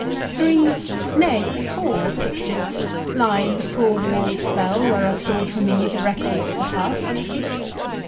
Three nay four pictures line the four walled cell where are stored for me the records of the past.